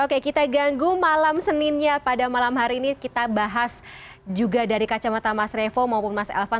oke kita ganggu malam seninnya pada malam hari ini kita bahas juga dari kacamata mas revo maupun mas elvan